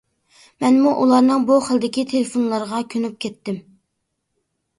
مەنمۇ ئۇلارنىڭ بۇ خىلدىكى تېلېفونلىرىغا كۆنۈپ كەتتىم.